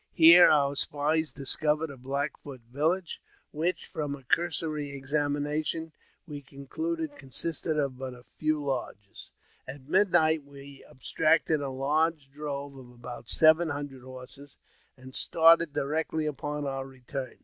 Here our spies discovered a Black Foot vill which, from a cursory examination, we concluded consisted of but few lodges. At midnight we abstracted a large drove of about seven hundred horses, and started directly upon our return.